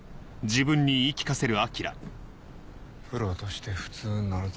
プロとして普通になるぞ。